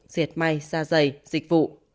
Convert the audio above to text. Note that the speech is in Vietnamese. diệt may xa dày dịch vụ